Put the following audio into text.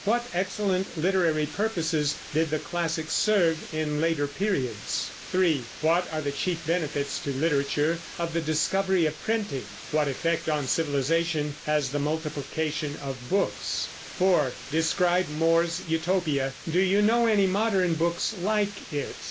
What excellent literary purposes did the classics serve in later periods? 3. What are the chief benefits to literature of the discovery of printing? What effect on civilization has the multiplication of books? 4. Describe More's Utopia. Do you know any modern books like it?